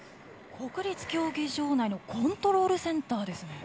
国立競技場内のコントロールセンターですね。